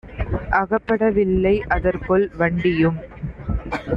அகப்பட வில்லை; அதற்குள் வண்டியும்